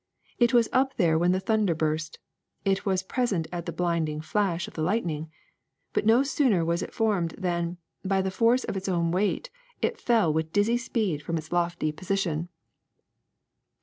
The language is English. It was up there when the thunder burst ; it was pres ent at the blinding flash of the lightning. But no sooner was it formed than, by the force of its own weight, it fell with dizzy speed from its lofty posi 342 THE SECRET OF EVERYDAY THINGS tion.